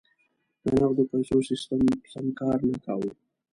د نغدو پیسو سیستم سم کار نه کاوه.